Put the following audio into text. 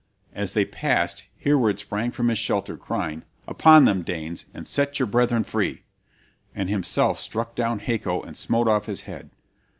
As they passed Hereward sprang from his shelter, crying, "Upon them, Danes, and set your brethren free!" and himself struck down Haco and smote off his head.